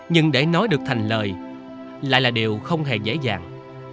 nhưng để nói được thành lời lại là điều không hề dễ dàng